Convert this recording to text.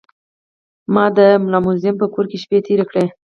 ما د ملامموزي په کور کې شپې تیرې کړې.